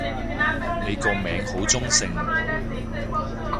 你個名好中性